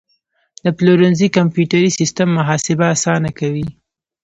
د پلورنځي کمپیوټري سیستم محاسبه اسانه کوي.